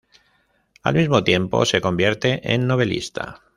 Al mismo tiempo, se convierte en novelista.